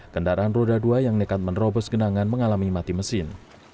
kendaraan roda dua yang nekat menerobos genangan mengalami mati mesin